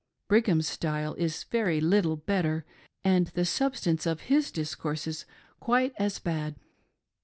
Brigham's style is very little better, and the substance of his discourses quite as bad.